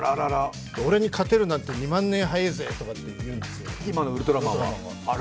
俺に勝てるなんて２万年早いぜ、なんて言うんですよ、今のウルトラマンは。